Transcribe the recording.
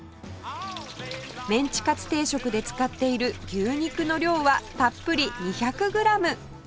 メンチカツ定食で使っている牛肉の量はたっぷり２００グラム